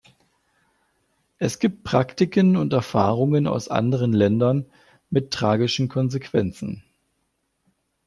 Es gibt Praktiken und Erfahrungen aus anderen Ländern mit tragischen Konsequenzen.